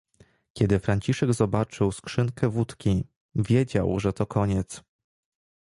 Kiedy Franciszek zobaczył skrzynkę wódki - wiedział, że to koniec.